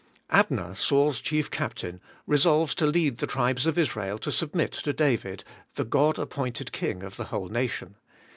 Abner, Saul's chief captain, resolves to lead the tribes of Israel to submit to David, the God appointed king of the whole nation.